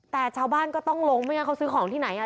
แต่ชาวบ้านก็ต้องลงไม่งั้นเขาซื้อของที่ไหนอ่ะ